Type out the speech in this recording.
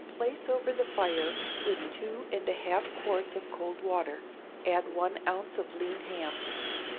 Place over the fire with two and a half quarts of cold water; add one ounce of lean ham.